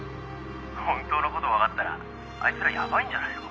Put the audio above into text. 「本当の事わかったらあいつらやばいんじゃないの？」